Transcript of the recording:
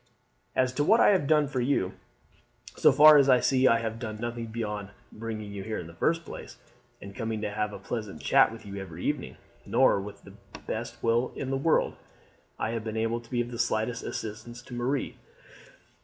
"As to what I have done for you, so far as I see I have done nothing beyond bringing you here in the first place, and coming to have a pleasant chat with you every evening. Nor, with the best will in the world, have I been able to be of the slightest assistance to Marie.